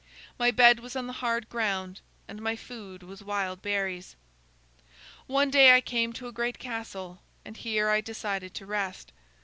My bed was on the hard ground, and my food was wild berries. "One day I came to a great castle, and here I decided to rest.